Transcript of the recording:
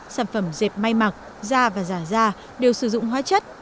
sản phẩm dẹp may mặc da và giả da đều sử dụng hóa chất